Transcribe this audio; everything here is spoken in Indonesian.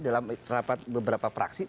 dalam rapat beberapa praksi